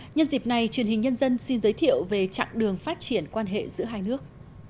nhân dịp này truyền hình nhân dân xin giới thiệu về trạng đường phát triển quan hệ giữa hai nước